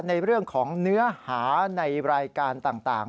ในเรื่องของเนื้อหาในรายการต่าง